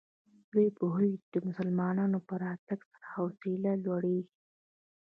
دوی پوهېږي چې د مسلمانانو په راتګ سره حوصلې لوړېږي.